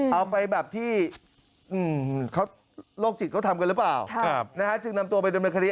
เอาไปแบบที่เขาโรคจิตเขาทำกันหรือเปล่าจึงนำตัวไปดำเนินคดี